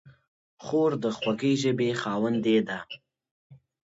خور د خوږې ژبې خاوندې ده.